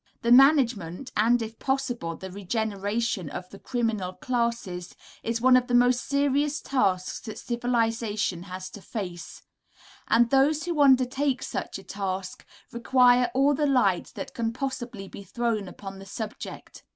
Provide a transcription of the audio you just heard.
The management, and, if possible, the regeneration of the criminal classes, is one of the most serious tasks that civilisation has to face; and those who undertake such a task require all the light that can possibly be thrown upon the subject.